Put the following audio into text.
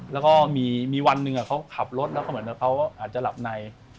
แล้วก็มีวันหนึ่งครับรถเขาอาจจะหลับใน